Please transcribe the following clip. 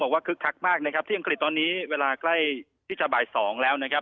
คึกคักมากนะครับที่อังกฤษตอนนี้เวลาใกล้ที่จะบ่าย๒แล้วนะครับ